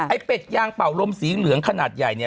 เป็ดยางเป่าลมสีเหลืองขนาดใหญ่